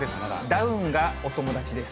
ダウンがお友達です。